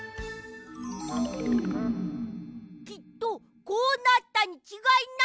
きっとこうなったにちがいない！